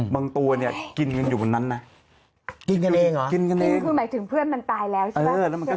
บางตัวเนี่ยกินกันอยู่บนนั้นนะ